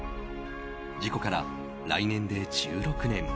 事故から来年で１６年。